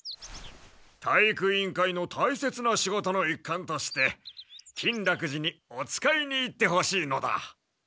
体育委員会のたいせつな仕事のいっかんとして金楽寺におつかいに行ってほしいのだ！